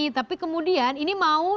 tapi kemudian ini mau